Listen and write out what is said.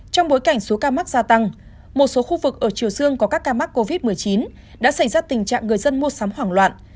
trong bối cảnh số ca mắc gia tăng một số khu vực ở chiều dương có các ca mắc covid một mươi chín đã xảy ra tình trạng người dân mua sắm hoảng loạn